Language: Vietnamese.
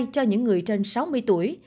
cho những người trên sáu mươi tuổi